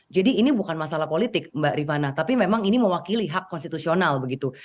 jadi ini bukan masalah politik mbak rivana tapi memang ini mewakili hak konstitusional begitu